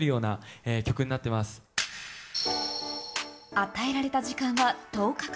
与えられた時間は１０日間。